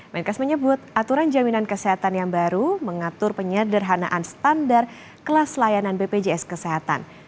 menkes menyebut aturan jaminan kesehatan yang baru mengatur penyederhanaan standar kelas layanan bpjs kesehatan